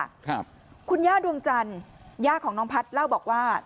ครับคุณย่าดวงจันทร์ย่าของน้องพัฒน์เล่าบอกว่า